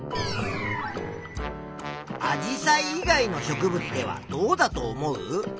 アジサイ以外の植物ではどうだと思う？